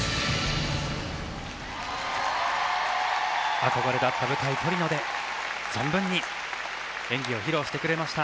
憧れだった舞台トリノで存分に演技を披露してくれました。